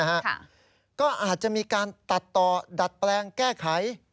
อเรนนี่อความที่เราได้ถูกนี้นะฮะก็อาจจะมีการตัดต่อดัดแปลงแก้ไข